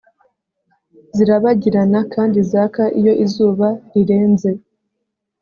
zirabagirana kandi zaka iyo izuba rirenze